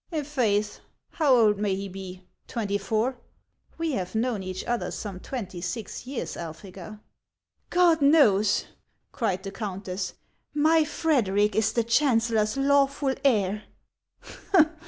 " I' faith, how old may he be ? Twenty four. We have known each other some twenty six years, Elphega." " God knows," cried the countess, " my Frederic is the chancellor's lawful heir."